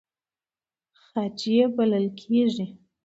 خج یې بلل کېږي.